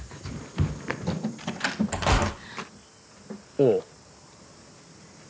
おう。